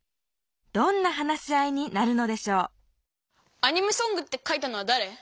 どんな話し合いになるのでしょう「アニメソング」って書いたのはだれ？